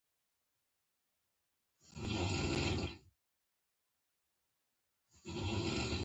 د الوتکې تر روانېدو وروسته مې ځان خوب ته جوړ کړ.